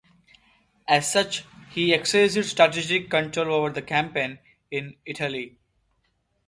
As such he exercised strategic control over the campaign in Italy.